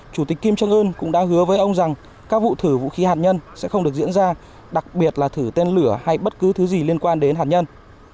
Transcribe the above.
chủ tịch kim trương ưn cũng đã hứa với ông rằng các vụ thử vũ khí hạt nhân sẽ không được diễn ra đặc biệt là thử tên lửa hay bất cứ thứ gì liên quan đến hạt nhân